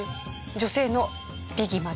女性の美技まで。